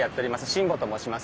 新保と申します。